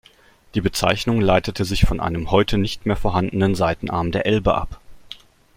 Die Bezeichnung leitete sich von einem heute nicht mehr vorhandenen Seitenarm der Elbe ab.